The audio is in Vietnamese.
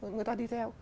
người ta đi theo